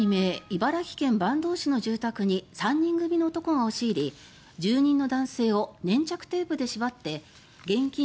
茨城県坂東市の住宅に３人組の男が押し入り住人の男性を粘着テープで縛って現金